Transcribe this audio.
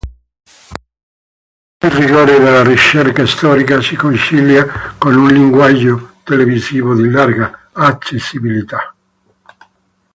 Il rigore della ricerca storica si concilia con un linguaggio televisivo di larga accessibilità.